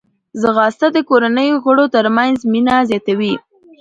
ځغاسته د کورنۍ غړو ترمنځ مینه زیاتوي